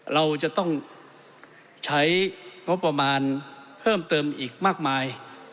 เราจะต้องใช้งบประมาณเพิ่มเติมอีกมากมาย